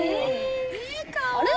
あれ？